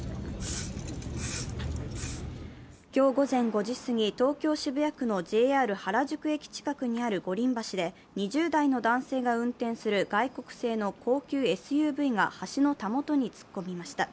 今日午前５時すぎ、東京・渋谷区のＪＲ原宿駅近くにある五輪橋で、２０代の男性が運転する外国製の高級ＳＵＶが橋のたもとに突っ込みました。